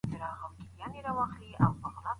ټولنپوهنه انساني ټولنه او ټولنیز رفتار مطالعه کوي.